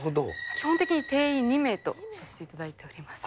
基本的に定員２名とさせていただいております。